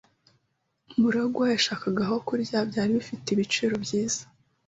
MuragwA yashakaga aho kurya byari bifite ibiciro byiza.